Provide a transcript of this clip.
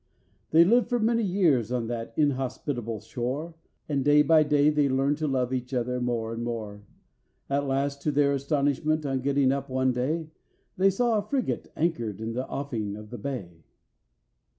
They lived for many years on that inhospitable shore, And day by day they learned to love each other more and more. At last, to their astonishment, on getting up one day, They saw a frigate anchored in the offing of the bay.